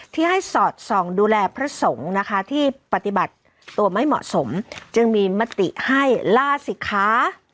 ที่ให้สอดส่องดูแลพระสงฆ์นะคะที่ปฏิบัติตัวไม่เหมาะสมจึงมีมติให้ล่าสิคะ